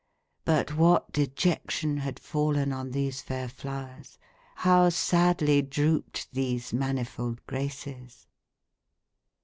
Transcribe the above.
But what dejection had fallen on these fair flowers! How sadly drooped these manifold graces!